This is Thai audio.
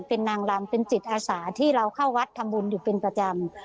เป็นนางรำเป็นจิตอาสาที่เราเข้าวัดทำบุญอยู่เป็นประจำ